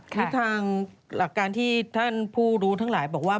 หรือทางหลักการที่ท่านผู้รู้ทั้งหลายบอกว่า